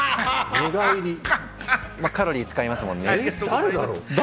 カロリー使いますもんね。